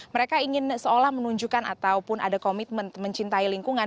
mereka ingin seolah menunjukkan ataupun ada komitmen mencintai lingkungan